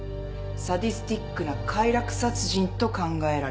サディスティックな快楽殺人と考えられる。